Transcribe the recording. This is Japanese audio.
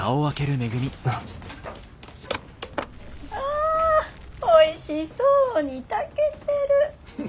あおいしそうに炊けてる。